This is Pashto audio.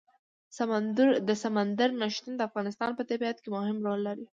سمندر نه شتون د افغانستان په طبیعت کې مهم رول لري.